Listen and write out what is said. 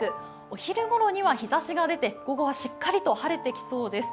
お昼ごろには日ざしが出て、午後はしっかりと晴れてきそうです。